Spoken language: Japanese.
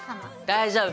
大丈夫。